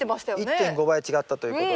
１．５倍違ったということで。